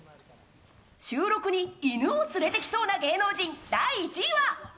収録に犬を連れてきそうな芸能人第１位は。